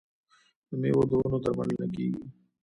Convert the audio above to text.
د میوو د ونو درملنه کیږي.